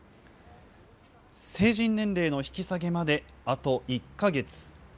成人年齢の引き下げまであと１か月。